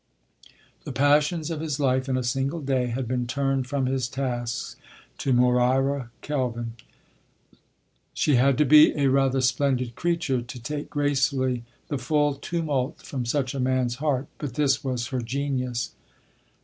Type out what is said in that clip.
The passions of his life, in a single day, had been turned from his tasks to Moira Kelvin. She had to be a rather splendid creature to take gracefully the full tumult from such a man’s heart, but this was her genius.